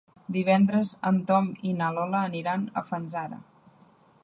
Divendres en Tom i na Lola aniran a Fanzara.